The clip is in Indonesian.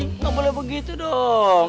nggak boleh begitu dong